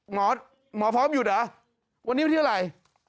เฮ้ยหมอพร้อมหยุดเหรอวันนี้เป็นที่อะไร